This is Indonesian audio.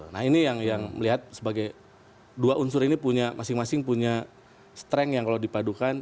nah ini yang melihat sebagai dua unsur ini punya masing masing punya strength yang kalau dipadukan